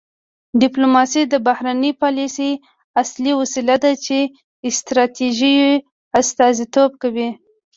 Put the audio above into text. ډیپلوماسي د بهرنۍ پالیسۍ اصلي وسیله ده چې ستراتیژیو استازیتوب کوي